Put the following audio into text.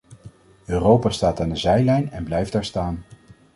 Europa staat aan de zijlijn en blijft daar staan.